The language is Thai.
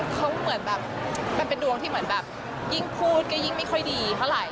เขาเหมือนแบบมันเป็นดวงที่เหมือนแบบยิ่งพูดก็ยิ่งไม่ค่อยดีเท่าไหร่